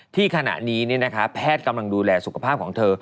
ที่ขณะนี้แพทย์กำลังดูแลสุขภาพของเธอ